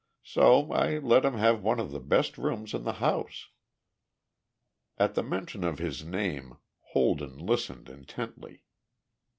So I let him have one of the best rooms in the house." At the mention of his name Holden listened intently.